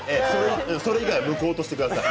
それ以外は無効としてください。